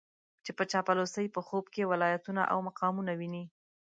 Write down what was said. چې په چاپلوسۍ په خوب کې ولايتونه او مقامونه ويني.